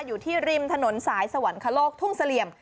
อยู่ที่ริมถนนสายสวรรคโลกทุ่งเสลี่ยม